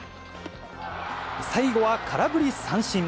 最後は空振り三振。